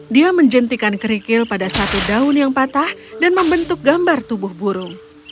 dia menjentikan kerikil pada satu daun yang patah dan membentuk gambar tubuh burung